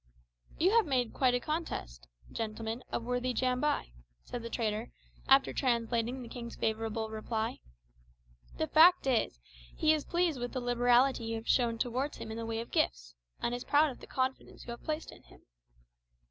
"You have made quite a conquest, gentlemen, of worthy Jambai," said the trader, after translating the king's favourable reply. "The fact is he is pleased with the liberality you have shown towards him in the way of gifts, and is proud of the confidence you have placed in him.